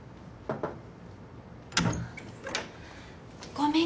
・ごめん